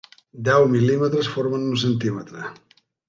Deu mil·límetres formen un centímetre.